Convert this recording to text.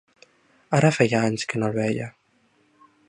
Ara feia anys que no el veia...